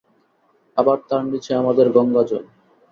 আবার তার নীচে আমাদের গঙ্গাজল।